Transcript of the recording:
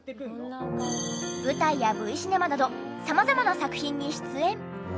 舞台やＶシネマなど様々な作品に出演。